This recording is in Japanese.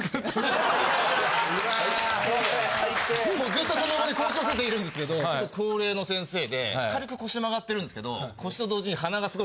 ずっとその場に校長先生いるんですけど高齢の先生で軽く腰曲がってるんですけど。